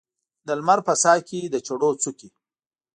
د لمر په ساه کې د چړو څوکې